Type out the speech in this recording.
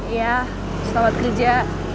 iya selamat kerja